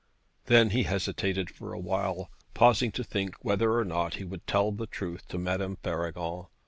Then he hesitated for a while, pausing to think whether or not he would tell the truth to Madame Faragon.